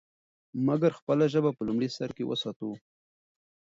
مګر خپله ژبه په لومړي سر کې وساتو.